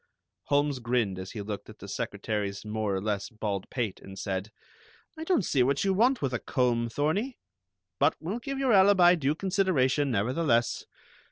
Holmes grinned as he looked at the secretary's more or less bald pate, and said: "I don't see what you want with a comb, Thorney. But we'll give your alibi due consideration, nevertheless.